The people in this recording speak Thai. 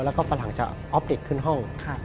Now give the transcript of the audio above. แล้วก็ฝรั่งจะออฟเด็กขึ้นห้อง